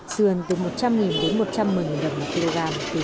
sườn từ một trăm linh đến một trăm một mươi đồng một kg